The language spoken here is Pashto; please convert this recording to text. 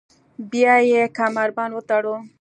بیا یې کمربند وتړلو.